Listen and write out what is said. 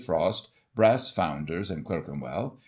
Frost, brass founders in Clerkenwell.